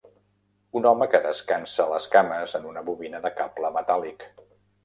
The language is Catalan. Un home que descansa les cames en una bobina de cable metàl·lic.